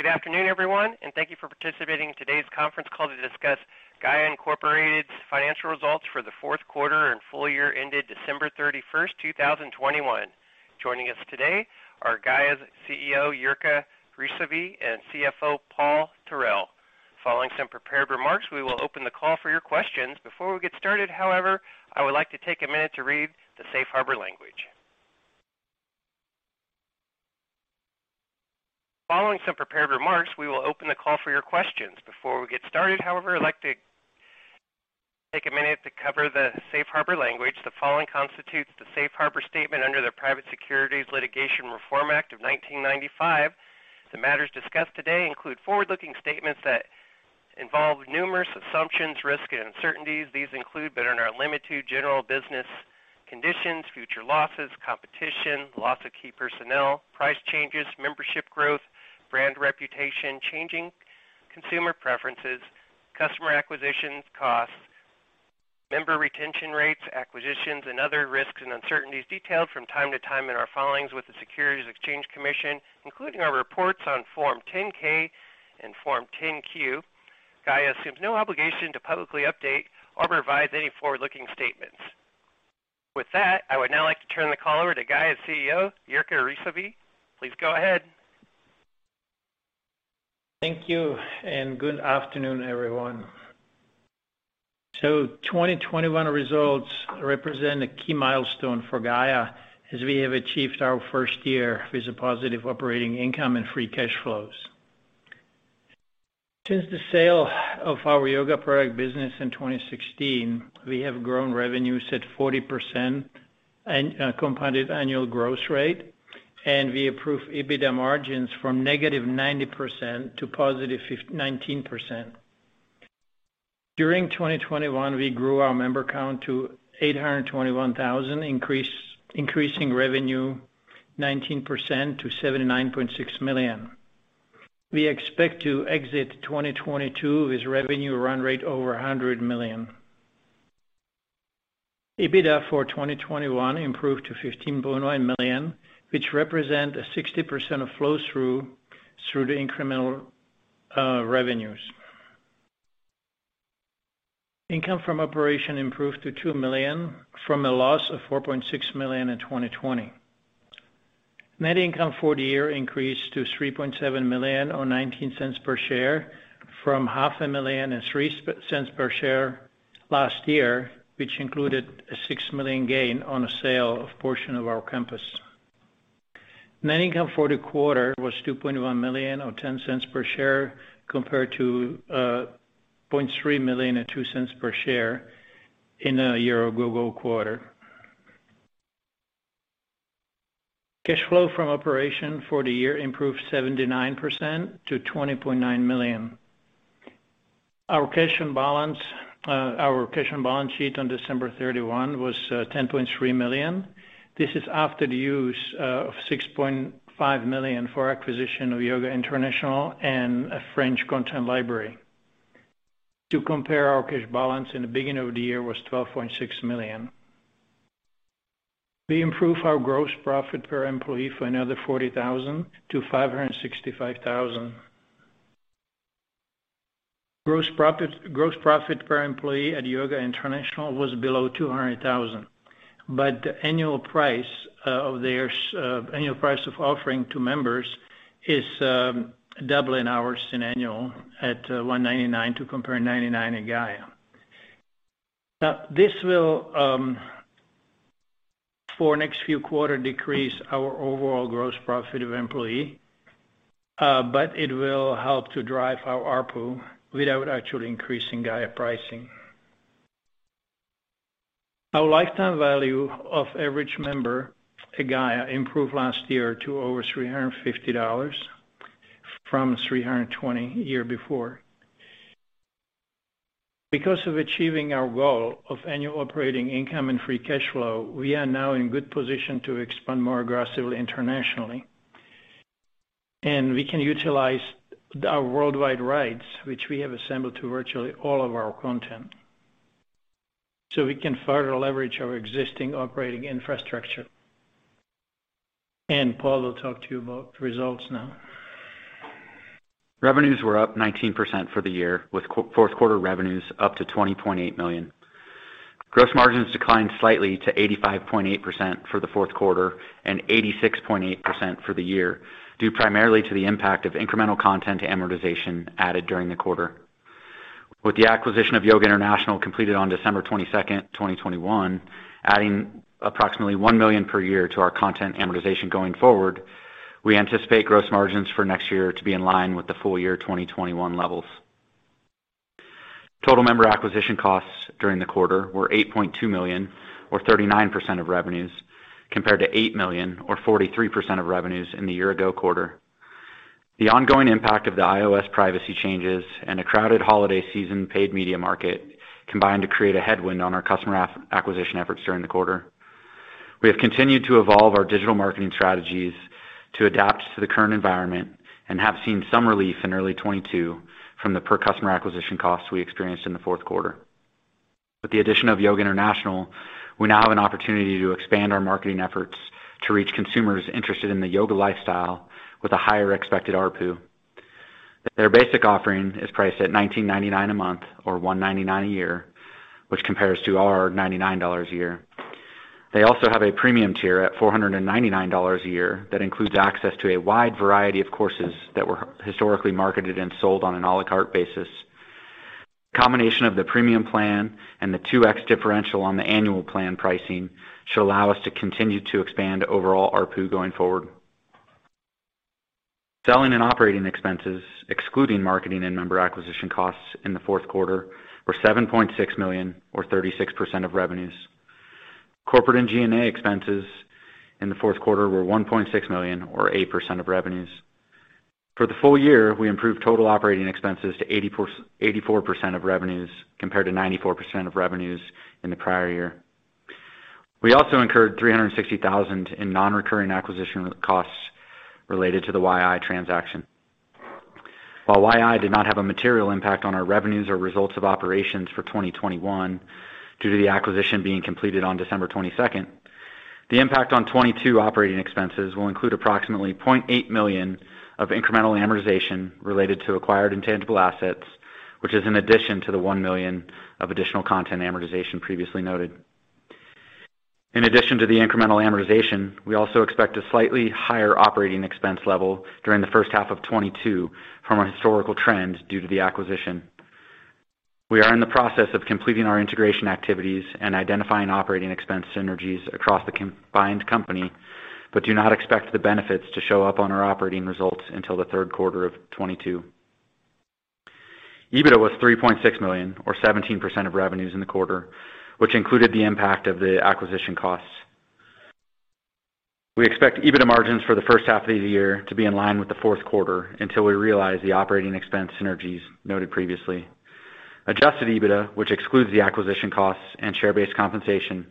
Good afternoon, everyone, and thank you for participating in today's conference call to discuss Gaia, Inc.'s financial results for the fourth quarter and full-year ended December 31, 2021. Joining us today are Gaia's CEO, Jirka Rysavy, and CFO, Paul Tarell. Following some prepared remarks, we will open the call for your questions. Before we get started, however, I would like to take a minute to read the safe harbor language. The following constitutes the safe harbor statement under the Private Securities Litigation Reform Act of 1995. The matters discussed today include forward-looking statements that involve numerous assumptions, risks, and uncertainties. These include, but are not limited to, general business conditions, future losses, competition, loss of key personnel, price changes, membership growth, brand reputation, changing consumer preferences, customer acquisitions costs, member retention rates, acquisitions, and other risks and uncertainties detailed from time to time in our filings with the Securities and Exchange Commission, including our reports on Form 10-K and Form 10-Q. Gaia assumes no obligation to publicly update or revise any forward-looking statements. With that, I would now like to turn the call over to Gaia's CEO, Jirka Rysavy. Please go ahead. Thank you, and good afternoon, everyone. 2021 results represent a key milestone for Gaia as we have achieved our first year with a positive operating income and free cash flows. Since the sale of our yoga product business in 2016, we have grown revenues at 40% CAGR, and we improved EBITDA margins from -90% to 19%. During 2021, we grew our member count to 821,000, increasing revenue 19% to $79.6 million. We expect to exit 2022 with revenue run rate over $100 million. EBITDA for 2021 improved to $15.9 million, which represents a 60% flow through the incremental revenues. Income from operation improved to $2 million from a loss of $4.6 million in 2020. Net income for the year increased to $3.7 million or $0.19 per share from $500,000 and $0.03 per share last year, which included a $6 million gain on a sale of portion of our campus. Net income for the quarter was $2.1 million or $0.10 per share compared to $0.3 million or $0.02 per share in a year ago quarter. Cash flow from operations for the year improved 79% to $20.9 million. Our cash balance sheet on December 31 was $10.3 million. This is after the use of $6.5 million for acquisition of Yoga International and a French content library. To compare, our cash balance in the beginning of the year was $12.6 million. We improved our gross profit per employee for another $40,000 to $565,000. Gross profit per employee at Yoga International was below $200,000. Annual price of offering to members is doubling ours annually at $199 compared to $99 in Gaia. This will for next few quarters decrease our overall gross profit per employee, but it will help to drive our ARPU without actually increasing Gaia pricing. Our lifetime value of average member at Gaia improved last year to over $350 from $320 year before. Because of achieving our goal of annual operating income and free cash flow, we are now in good position to expand more aggressively internationally. We can utilize our worldwide rights, which we have assembled to virtually all of our content, so we can further leverage our existing operating infrastructure. Paul will talk to you about the results now. Revenues were up 19% for the year, with fourth quarter revenues up to $20.8 million. Gross margins declined slightly to 85.8% for the fourth quarter and 86.8% for the year, due primarily to the impact of incremental content amortization added during the quarter. With the acquisition of Yoga International completed on December 22, 2021, adding approximately $1 million per year to our content amortization going forward, we anticipate gross margins for next year to be in line with the full-year 2021 levels. Total member acquisition costs during the quarter were $8.2 million or 39% of revenues, compared to $8 million or 43% of revenues in the year ago quarter. The ongoing impact of the iOS privacy changes and a crowded holiday season paid media market combined to create a headwind on our customer acquisition efforts during the quarter. We have continued to evolve our digital marketing strategies to adapt to the current environment and have seen some relief in early 2022 from the per customer acquisition costs we experienced in the fourth quarter. With the addition of Yoga International, we now have an opportunity to expand our marketing efforts to reach consumers interested in the yoga lifestyle with a higher expected ARPU. Their basic offering is priced at $19.99 a month or $199 a year, which compares to our $99 a year. They also have a premium tier at $499 a year that includes access to a wide variety of courses that were historically marketed and sold on an à la carte basis. Combination of the premium plan and the 2x differential on the annual plan pricing should allow us to continue to expand overall ARPU going forward. Selling and operating expenses, excluding marketing and member acquisition costs in the fourth quarter were $7.6 million or 36% of revenues. Corporate and G&A expenses in the fourth quarter were $1.6 million or 8% of revenues. For the full-year, we improved total operating expenses to 84% of revenues compared to 94% of revenues in the prior year. We also incurred $360,000 in non-recurring acquisition costs related to the YI transaction. While YI did not have a material impact on our revenues or results of operations for 2021 due to the acquisition being completed on December 22, the impact on 2022 operating expenses will include approximately $0.8 million of incremental amortization related to acquired intangible assets, which is an addition to the $1 million of additional content amortization previously noted. In addition to the incremental amortization, we also expect a slightly higher operating expense level during the first half of 2022 from a historical trend due to the acquisition. We are in the process of completing our integration activities and identifying operating expense synergies across the combined company, but do not expect the benefits to show up on our operating results until the third quarter of 2022. EBITDA was $3.6 million or 17% of revenues in the quarter, which included the impact of the acquisition costs. We expect EBITDA margins for the first half of the year to be in line with the fourth quarter until we realize the operating expense synergies noted previously. Adjusted EBITDA, which excludes the acquisition costs and share-based compensation,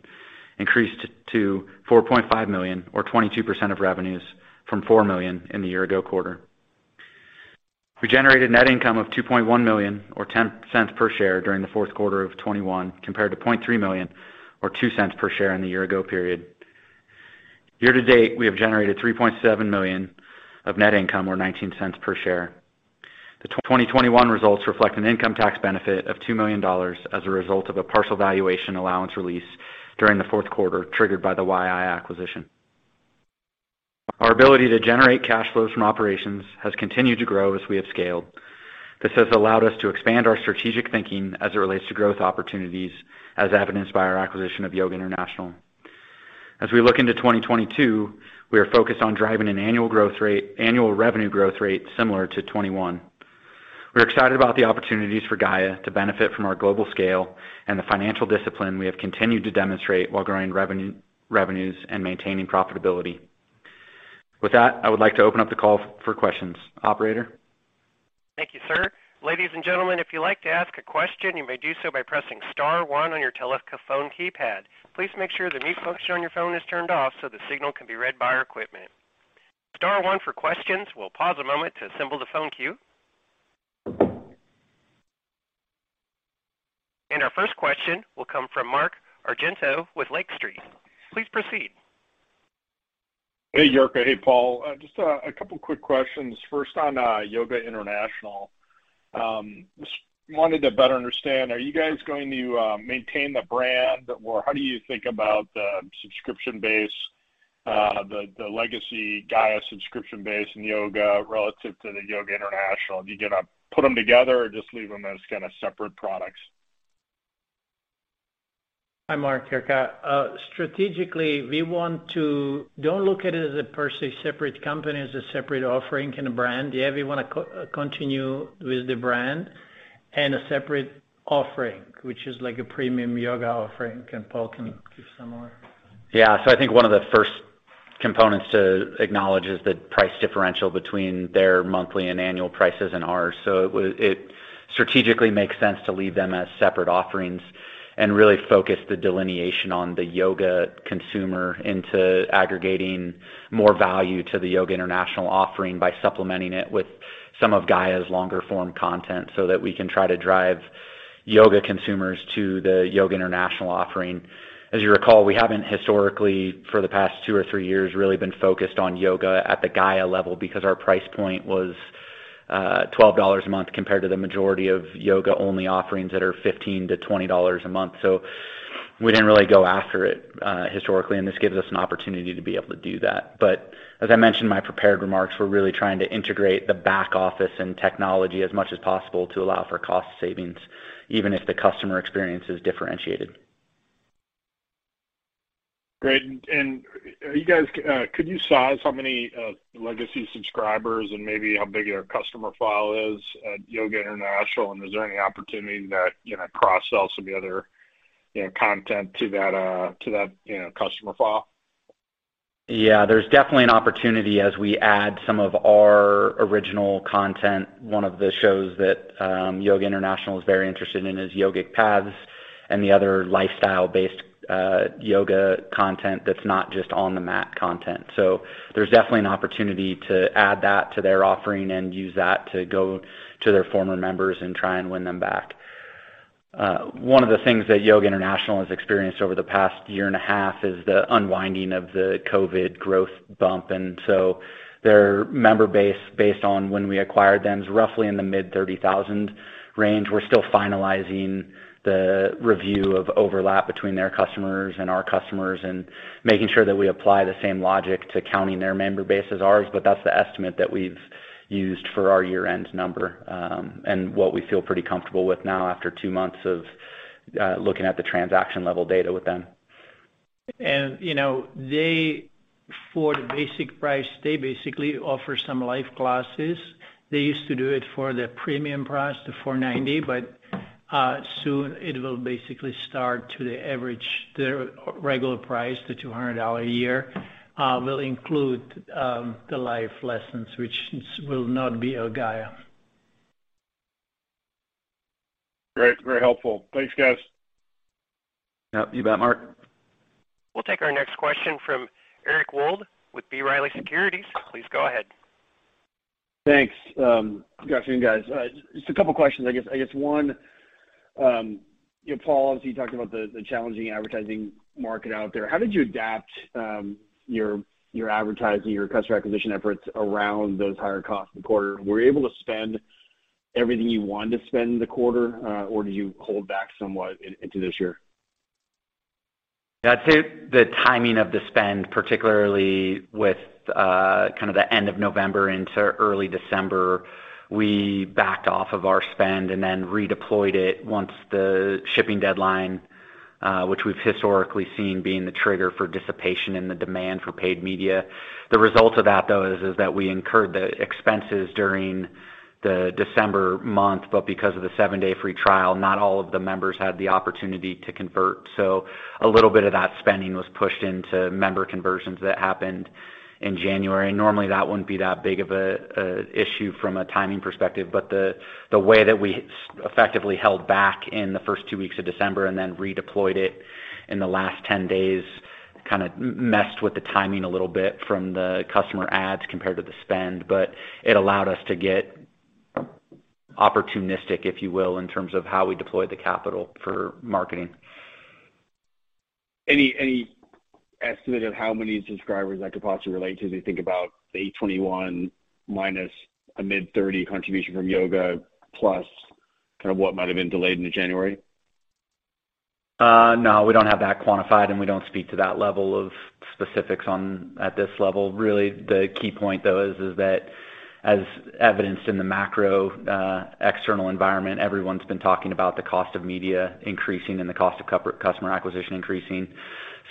increased to $4.5 million or 22% of revenues from $4 million in the year ago quarter. We generated net income of $2 million or $0.10 per share during the fourth quarter of 2021, compared to $0.3 million or $0.02 per share in the year ago period. Year-to-date, we have generated $3.7 million of net income or $0.19 per share. The 2021 results reflect an income tax benefit of $2 million as a result of a partial valuation allowance release during the fourth quarter triggered by the YI acquisition. Our ability to generate cash flows from operations has continued to grow as we have scaled. This has allowed us to expand our strategic thinking as it relates to growth opportunities as evidenced by our acquisition of Yoga International. As we look into 2022, we are focused on driving an annual revenue growth rate similar to 2021. We're excited about the opportunities for Gaia to benefit from our global scale and the financial discipline we have continued to demonstrate while growing revenues and maintaining profitability. With that, I would like to open up the call for questions. Operator. Thank you, sir. Ladies and gentlemen, if you'd like to ask a question, you may do so by pressing star one on your telephone keypad. Please make sure the mute function on your phone is turned off so the signal can be read by our equipment. Star one for questions. We'll pause a moment to assemble the phone queue. Our first question will come from Mark Argento with Lake Street. Please proceed. Hey, Jirka. Hey, Paul. Just a couple quick questions. First on Yoga International. Just wanted to better understand, are you guys going to maintain the brand? Or how do you think about the subscription base, the legacy Gaia subscription base and Yoga relative to the Yoga International? Are you gonna put them together or just leave them as kinda separate products? Hi, Mark. Jirka. Strategically, we don't look at it as a per se separate company as a separate offering and a brand. Yeah, we wanna continue with the brand and a separate offering, which is like a premium yoga offering, and Paul can give some more. Yeah. I think one of the first components to acknowledge is the price differential between their monthly and annual prices and ours. It strategically makes sense to leave them as separate offerings and really focus the delineation on the yoga consumer into aggregating more value to the Yoga International offering by supplementing it with some of Gaia's longer form content so that we can try to drive yoga consumers to the Yoga International offering. As you recall, we haven't historically, for the past two or three years, really been focused on yoga at the Gaia level because our price point was $12 a month compared to the majority of yoga only offerings that are $15-$20 a month. We didn't really go after it historically, and this gives us an opportunity to be able to do that. As I mentioned in my prepared remarks, we're really trying to integrate the back office and technology as much as possible to allow for cost savings, even if the customer experience is differentiated. Great. Could you size how many legacy subscribers and maybe how big your customer file is at Yoga International? Is there any opportunity to, you know, cross-sell some of the other, you know, content to that, you know, customer file? Yeah, there's definitely an opportunity as we add some of our original content. One of the shows that Yoga International is very interested in is Yogic Paths and the other lifestyle-based yoga content that's not just on the mat content. There's definitely an opportunity to add that to their offering and use that to go to their former members and try and win them back. One of the things that Yoga International has experienced over the past year and a half is the unwinding of the COVID growth bump. Their member base, based on when we acquired them, is roughly in the mid-30,000 range. We're still finalizing the review of overlap between their customers and our customers and making sure that we apply the same logic to counting their member base as ours. That's the estimate that we've used for our year-end number, and what we feel pretty comfortable with now after two months of looking at the transaction-level data with them. You know, they, for the basic price, they basically offer some live classes. They used to do it for the premium price, the $4.99, but soon it will basically start at the average, their regular price, the $200 a year, will include the live lessons, which will not be at Gaia. Great. Very helpful. Thanks, guys. Yep. You bet, Mark. We'll take our next question from Eric Wold with B. Riley Securities. Please go ahead. Thanks. Good afternoon, guys. Just a couple questions, I guess. I guess one, you know, Paul, obviously, you talked about the challenging advertising market out there. How did you adapt your advertising, your customer acquisition efforts around those higher costs in the quarter? Were you able to spend everything you wanted to spend in the quarter, or did you hold back somewhat into this year? I'd say the timing of the spend, particularly with kind of the end of November into early December, we backed off of our spend and then redeployed it once the shipping deadline, which we've historically seen being the trigger for dissipation in the demand for paid media. The result of that, though, is that we incurred the expenses during the December month, but because of the seven-day free trial, not all of the members had the opportunity to convert. So a little bit of that spending was pushed into member conversions that happened in January. Normally, that wouldn't be that big of an issue from a timing perspective, but the way that we effectively held back in the first two weeks of December and then redeployed it in the last 10 days kinda messed with the timing a little bit from the customer adds compared to the spend. It allowed us to get opportunistic, if you will, in terms of how we deployed the capital for marketing. Any estimate of how many subscribers that could possibly relate to as you think about the 821,000 minus a mid-30,000 contribution from Yoga plus kind of what might've been delayed into January? No, we don't have that quantified, and we don't speak to that level of specifics at this level. Really, the key point, though, is that as evidenced in the macro external environment, everyone's been talking about the cost of media increasing and the cost of customer acquisition increasing.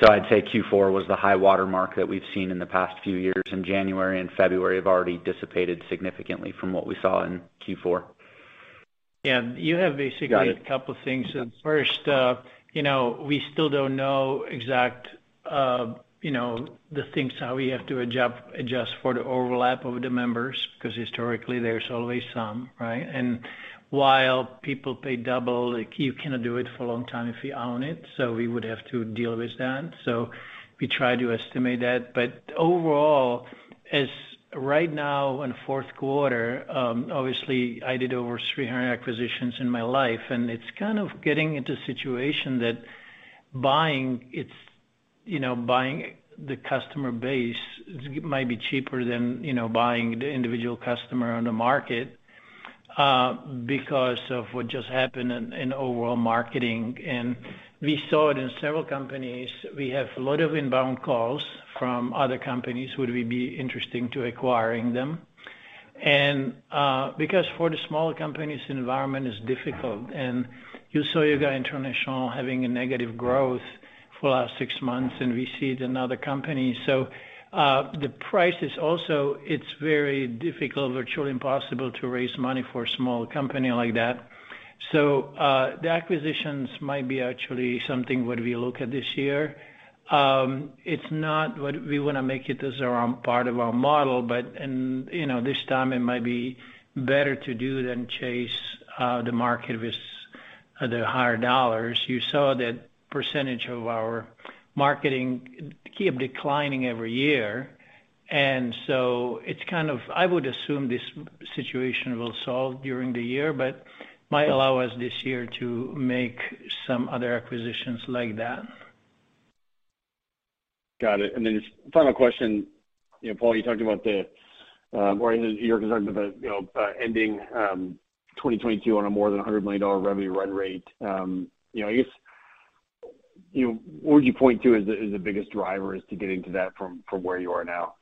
I'd say Q4 was the high-water mark that we've seen in the past few years, and January and February have already dissipated significantly from what we saw in Q4. Yeah. You have basically. Got it. A couple of things. First, you know, we still don't know exactly, you know, the things how we have to adjust for the overlap of the members, 'cause historically, there's always some, right? While people pay double, like, you cannot do it for a long time if you own it, so we would have to deal with that. We try to estimate that. Overall, as of right now in fourth quarter, obviously, I did over 300 acquisitions in my life, and it's kind of getting into a situation that buying it, you know, buying the customer base might be cheaper than, you know, buying the individual customer on the market, because of what just happened in overall marketing. We saw it in several companies. We have a lot of inbound calls from other companies. Would we be interested in acquiring them? Because for the smaller companies, environment is difficult. You saw Yoga International having a negative growth for last six months, and we see it in other companies. The price is also. It's very difficult, virtually impossible to raise money for a small company like that. The acquisitions might be actually something that we look at this year. It's not what we wanna make it as our part of our model, but in, you know, this time it might be better to do than chase the market with the higher dollars. You saw that percentage of our marketing keep declining every year. It's kind of I would assume this situation will solve during the year, but might allow us this year to make some other acquisitions like that. Got it. Just final question. You know, Paul, you talked about or Jirka talked about, you know, ending 2022 on more than $100 million revenue run rate. You know, I guess, you know, what would you point to as the biggest driver as to getting to that from where you are now?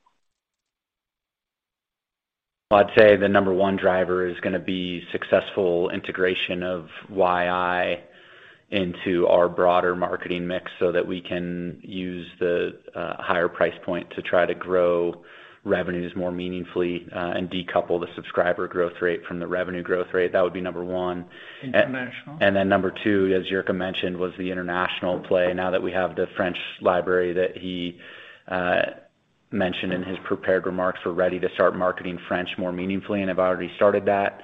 Well, I'd say the number one driver is gonna be successful integration of YI into our broader marketing mix so that we can use the higher price point to try to grow revenues more meaningfully and decouple the subscriber growth rate from the revenue growth rate. That would be number one. International. Number two, as Jirka mentioned, was the international play. Now that we have the French library that he mentioned in his prepared remarks, we're ready to start marketing French more meaningfully, and have already started that,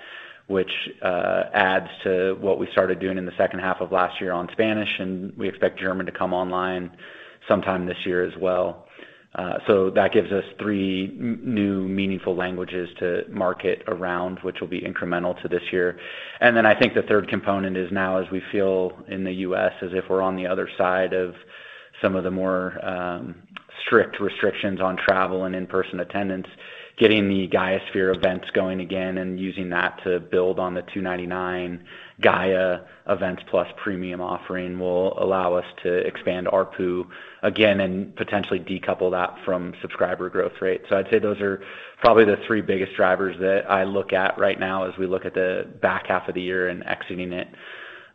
which adds to what we started doing in the second half of last year on Spanish, and we expect German to come online sometime this year as well. That gives us three new meaningful languages to market around, which will be incremental to this year. I think the third component is now as we feel in the U.S. as if we're on the other side of some of the more strict restrictions on travel and in-person attendance, getting the GaiaSphere events going again and using that to build on the $299 Gaia Events plus premium offering will allow us to expand ARPU again and potentially decouple that from subscriber growth rate. I'd say those are probably the three biggest drivers that I look at right now as we look at the back half of the year and exiting it.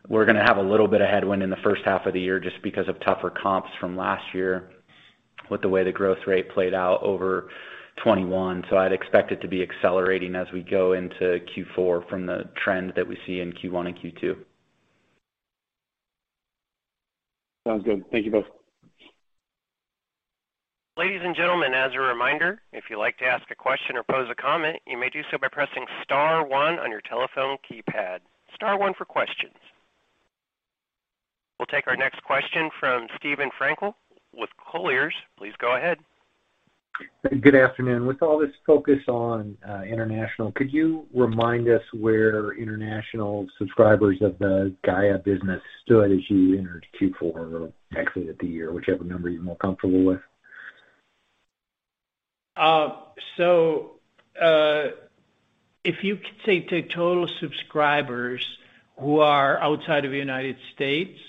We're gonna have a little bit of headwind in the first half of the year just because of tougher comps from last year with the way the growth rate played out over 2021. I'd expect it to be accelerating as we go into Q4 from the trend that we see in Q1 and Q2. Sounds good. Thank you both. Ladies and gentlemen, as a reminder, if you'd like to ask a question or pose a comment, you may do so by pressing star one on your telephone keypad. Star one for questions. We'll take our next question from Steven Frankel with Colliers. Please go ahead. Good afternoon. With all this focus on international, could you remind us where international subscribers of the Gaia business stood as you entered Q4 or exited the year, whichever number you're more comfortable with? The total subscribers who are outside of the United States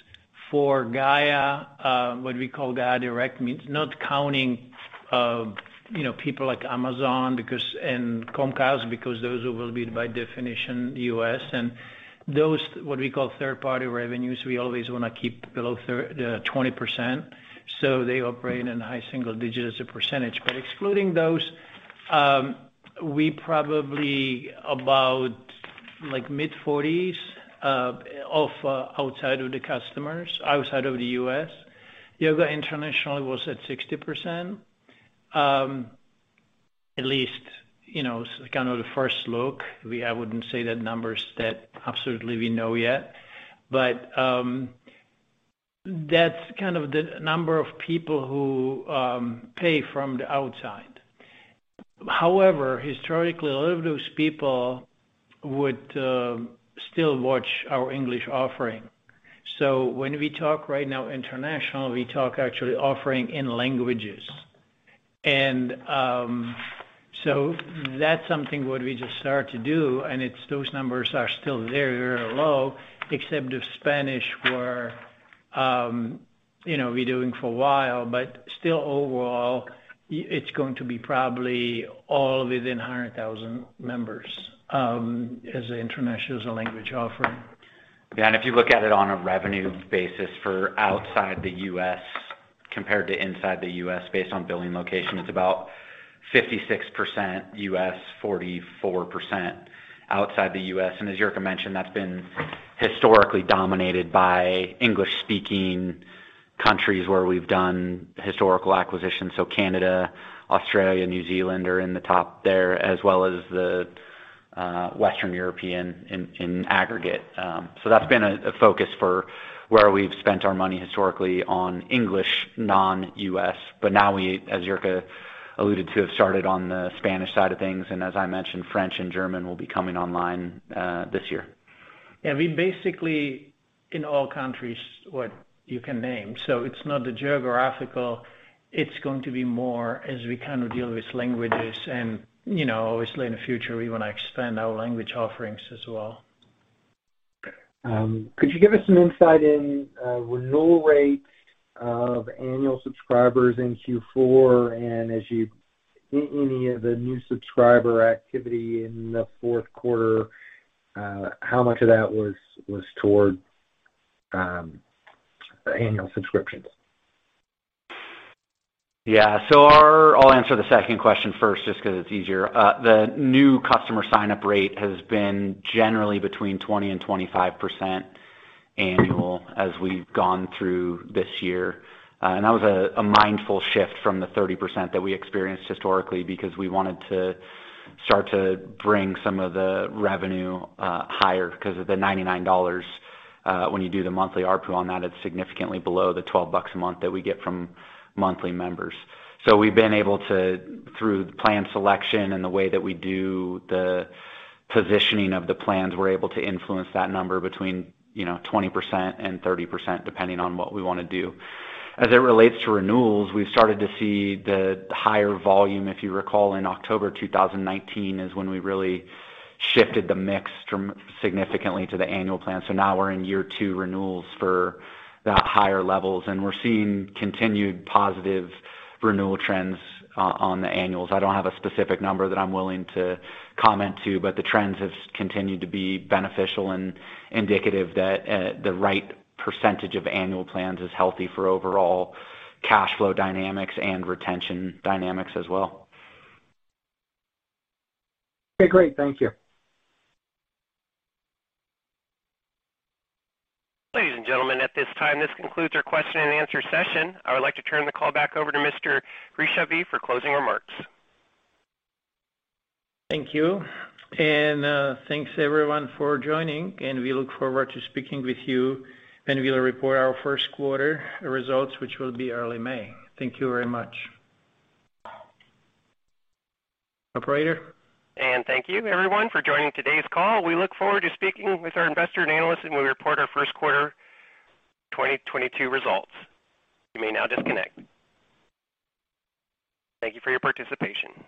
for Gaia, what we call Gaia Direct, means not counting, you know, people like Amazon and Comcast, because those will be by definition U.S. Those, what we call third-party revenues, we always wanna keep below 20%, so they operate in high single digits as a percentage. Excluding those, we probably about, like, mid-40s of customers outside of the U.S. Yoga International was at 60%. At least, you know, kind of the first look, I wouldn't say the numbers that we absolutely know yet. That's kind of the number of people who pay from the outside. However, historically, a lot of those people would still watch our English offering. When we talk right now international, we talk actually offering in languages. That's something what we just started to do, and it's those numbers are still very, very low, except if Spanish were, you know, we're doing for a while. But still overall, it's going to be probably all within 100,000 members, as an international as a language offering. Yeah. If you look at it on a revenue basis for outside the U.S. compared to inside the U.S. based on billing location, it's about 56% U.S., 44% outside the U.S. As Jirka mentioned, that's been historically dominated by English-speaking countries where we've done historical acquisitions. Canada, Australia, New Zealand are in the top there, as well as the Western European in aggregate. That's been a focus for where we've spent our money historically on English non-U.S. Now we, as Jirka alluded to, have started on the Spanish side of things. As I mentioned, French and German will be coming online this year. Yeah. We basically in all countries you can name. It's not the geographical, it's going to be more as we kind of deal with languages and, you know, obviously in the future, we wanna expand our language offerings as well. Could you give us some insight into renewal rates of annual subscribers in Q4? Any of the new subscriber activity in the fourth quarter, how much of that was toward annual subscriptions? Yeah. I'll answer the second question first just 'cause it's easier. The new customer sign-up rate has been generally between 20% and 25% annual as we've gone through this year. That was a mindful shift from the 30% that we experienced historically because we wanted to start to bring some of the revenue higher 'cause of the $99 when you do the monthly ARPU on that, it's significantly below the $12 a month that we get from monthly members. We've been able to, through the plan selection and the way that we do the positioning of the plans, we're able to influence that number between, you know, 20% and 30%, depending on what we wanna do. As it relates to renewals, we've started to see the higher volume. If you recall, in October 2019 is when we really shifted the mix significantly to the annual plan. Now we're in year two renewals for the higher levels, and we're seeing continued positive renewal trends on the annuals. I don't have a specific number that I'm willing to comment on, but the trends have continued to be beneficial and indicative that the right percentage of annual plans is healthy for overall cash flow dynamics and retention dynamics as well. Okay, great. Thank you. Ladies and gentlemen, at this time, this concludes our question and answer session. I would like to turn the call back over to Mr. Rysavy for closing remarks. Thank you. Thanks everyone for joining, and we look forward to speaking with you when we will report our first quarter results, which will be early May. Thank you very much. Operator? Thank you everyone for joining today's call. We look forward to speaking with our investor and analyst when we report our first quarter 2022 results. You may now disconnect. Thank you for your participation.